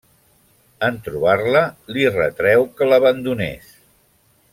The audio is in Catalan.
En trobar-la li retreu que l'abandonés.